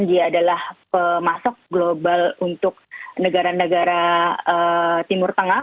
dia adalah pemasok global untuk negara negara timur tengah